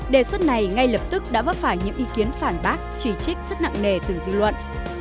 đề xuất này ngay lập tức đã vấp phải những ý kiến phản bác chỉ trích rất nặng nề từ dư luận